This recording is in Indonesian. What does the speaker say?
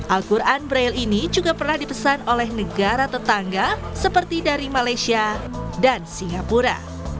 al quran braille ini juga pernah dipesan oleh negara tetangga seperti dari malaysia dan singapura